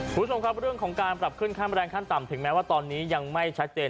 คุณผู้ชมครับเรื่องของการปรับขึ้นค่าแรงขั้นต่ำถึงแม้ว่าตอนนี้ยังไม่ชัดเจน